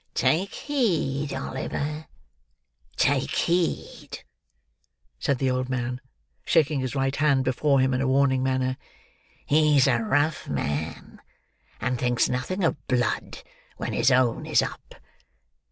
"Take heed, Oliver! take heed!" said the old man, shaking his right hand before him in a warning manner. "He's a rough man, and thinks nothing of blood when his own is up.